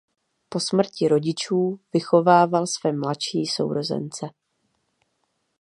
Po smrti rodičů vychovával své mladší sourozence.